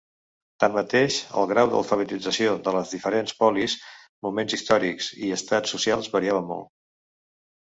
Tanmateix, el grau d’alfabetització de les diferents polis, moments històrics i estrats socials variava molt.